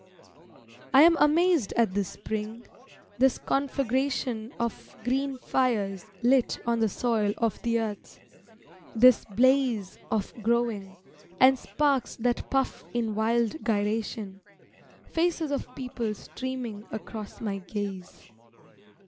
I am amazed at this spring, this conflagration Of green fires lit on the soil of the earth, this blaze Of growing, and sparks that puff in wild gyration, Faces of people streaming across my gaze.